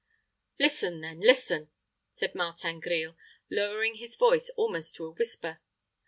"Listen, then, listen," said Martin Grille, lowering his voice almost to a whisper.